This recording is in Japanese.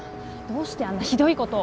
どうしてあんなひどいことを。